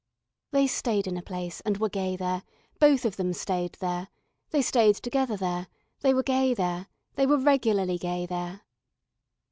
They stayed in a place and were gay there, both of them stayed there, they stayed together there, they were gay there, they were regularly gay there.